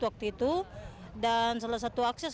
waktu itu dan salah satu akses